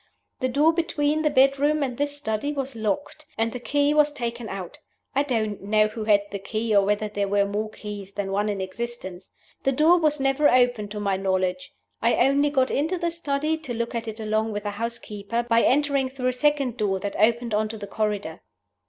The door between the bedroom and this study was locked, and the key was taken out. I don't know who had the key, or whether there were more keys than one in existence. The door was never opened to my knowledge. I only got into the study, to look at it along with the housekeeper, by entering through a second door that opened on to the corridor.